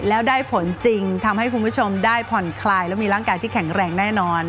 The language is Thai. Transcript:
แล้วได้ผลจริงทำให้คุณผู้ชมได้ผ่อนคลายและมีร่างกายที่แข็งแรงแน่นอน